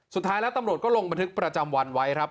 สุดท้ายแล้วตำรวจก็ลงบันทึกประจำวันไว้ครับ